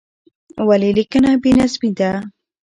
ولې لیکنه بې نظمې ده؟